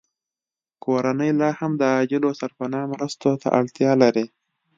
کورنۍ لاهم د عاجلو سرپناه مرستو ته اړتیا لري